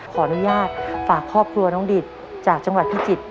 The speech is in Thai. ขออนุญาตฝากครอบครัวน้องดิตจากจังหวัดพิจิตร